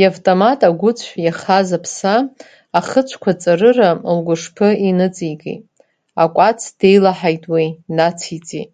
Иавтомат агәыцә иахаз аԥса ахыцәқәҵарыра лгәышԥы иныҵеикит, акәац деилаҳаит уи, нациҵеит.